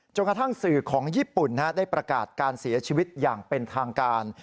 กระทั่งสื่อของญี่ปุ่นได้ประกาศการเสียชีวิตอย่างเป็นทางการ